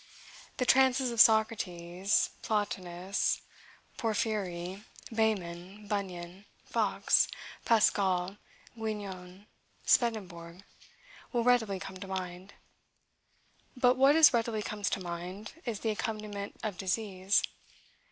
The trances of Socrates, Plotinus, Porphyry, Behmen, Bunyan, Fox, Pascal, Guion, Swedenborg, will readily come to mind. But what as readily comes to mind, is the accompaniment of disease.